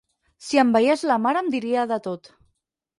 Si em veiés la mare em diria de tot!